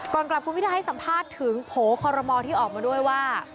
ก่อนกลับคุณพิทาให้สัมภาษณ์ถึงโผล่คอรมอลที่ออกมาด้วยว่า